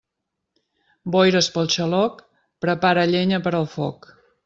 Boires pel xaloc, prepara llenya per al foc.